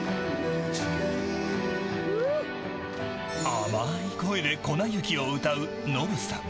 甘い声で粉雪を歌うノブさん。